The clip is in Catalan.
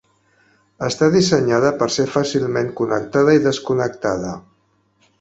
Està dissenyada per ser fàcilment connectada i desconnectada.